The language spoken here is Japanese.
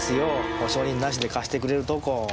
保証人なしで貸してくれるとこ。